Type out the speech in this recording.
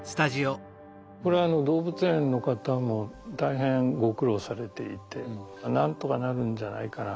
これは動物園の方も大変ご苦労されていて何とかなるんじゃないかな。